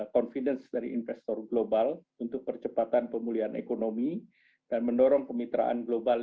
confidence dari investor global untuk percepatan pemulihan ekonomi dan mendorong kemitraan global